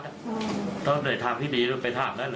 พี่โทษที่เขาบอกว่าใช้ชาวบ้านมากดดัน๓๐คน